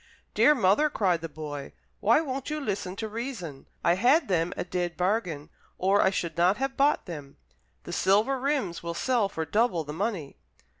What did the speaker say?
"Dear mother," cried the boy, "why won't you listen to reason? I had them a dead bargain, or I should not have bought them. The silver rims will sell for double the money."